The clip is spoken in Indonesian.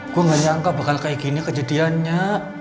gue gak nyangka bakal kayak gini kejadiannya